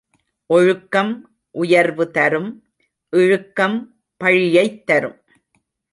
ஒழுக்கம் உயர்வு தரும் இழுக்கம் பழியைத் தரும்.